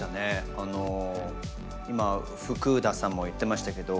あの今ふクださんも言ってましたけど。